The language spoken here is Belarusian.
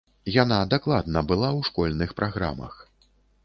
Яна дакладна была ў школьных праграмах.